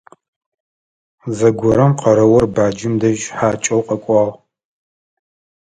Зэгорэм къэрэур баджэм дэжь хьакӀэу къэкӀуагъ.